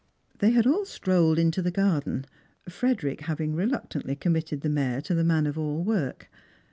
They had all strolled into the garden, Frederick having reluc tantly committed the mare to the man of all work.